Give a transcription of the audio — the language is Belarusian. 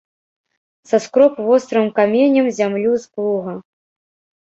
Саскроб вострым каменем зямлю з плуга.